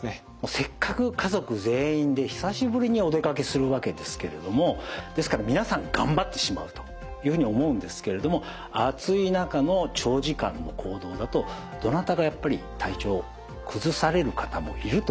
せっかく家族全員で久しぶりにお出かけするわけですけれどもですから皆さん頑張ってしまうというふうに思うんですけれども暑い中の長時間の行動だとどなたかやっぱり体調を崩される方もいると思うんですね。